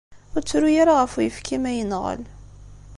Ur ttru ara ɣef uyefki ma yenɣel.